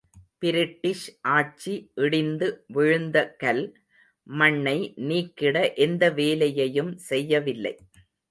British ஆட்சி இடிந்து விழுந்த கல், மண்ணை நீக்கிட எந்த வேலையையும் செய்யவில்லை.